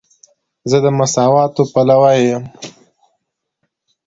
زه د مساواتو پلوی یم.